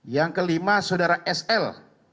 yang kelima saudara sl